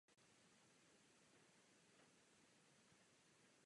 Dle verze se jednalo o střelu krátkého či středního doletu.